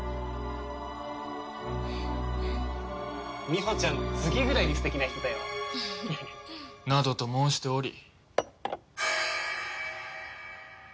みほちゃんの次ぐらいに素敵な人だよ。などと申しており。